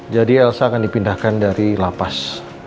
jadi elsa akan dipindahkan dari lapas